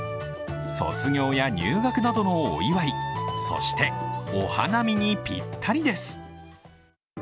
卒業や入学などのお祝い、そしてお花見にぴったりです。